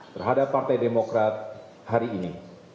terhadap partai demokrat hari ini